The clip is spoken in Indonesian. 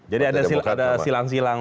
jadi ada silang silang